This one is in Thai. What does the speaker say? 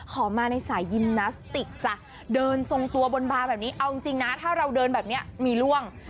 ขอมาในสายยิมนาสติกจ้ะเดินทรงตัวบนบาร์แบบนี้เอาจริงนะถ้าเราเดินแบบนี้มีล่วง